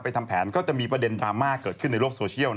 ทำแผนก็จะมีประเด็นดราม่าเกิดขึ้นในโลกโซเชียล